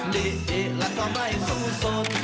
เกะแล้วก็ไม่สู้สน